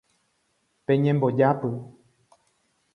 Peñembojápy.